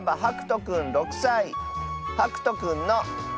はくとくんの。